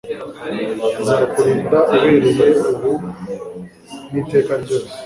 azakurinda uhereye ubu n'iteka ryose